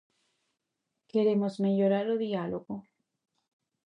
Queremos mellorar o diálogo.